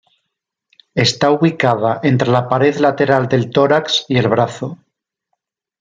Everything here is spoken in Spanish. Está ubicada entre la pared lateral del tórax y el brazo.